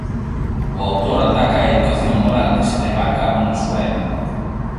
O autor ataca e educación moral que se leva a cabo na súa época.